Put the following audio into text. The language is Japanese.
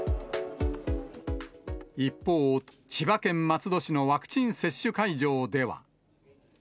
一方、千葉県松戸市のワクチン接種会場では。